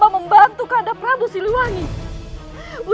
saya juga diavourupkan untuk buat pen foods ini